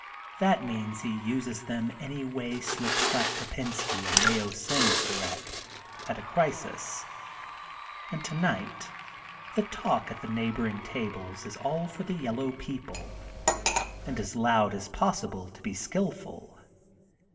That means he uses them any way Slick Slack Kopensky and Mayo Sims direct, at a crisis, and tonight the talk at the neighboring tables is all for the Yellow people and as loud as possible to be skillful.